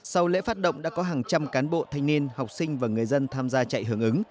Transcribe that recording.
sau lễ phát động đã có hàng trăm cán bộ thanh niên học sinh và người dân tham gia chạy hướng ứng